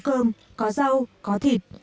có cơm có rau có thịt